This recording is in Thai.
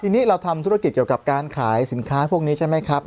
ทีนี้เราทำธุรกิจเกี่ยวกับการขายสินค้าพวกนี้ใช่ไหมครับ